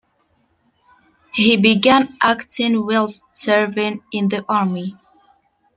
He began acting whilst serving in the army.